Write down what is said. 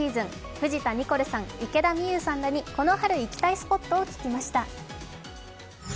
藤田ニコルさん、池田美優さんにこの春行きたいスポットを聞きました。